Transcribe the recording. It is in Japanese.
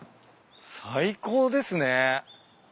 最高ですね。